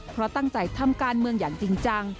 เพราะตั้งใจทำการเมืองอย่างจริงจัง